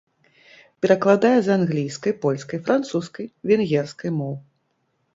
Перакладае з англійскай, польскай, французскай, венгерскай моў.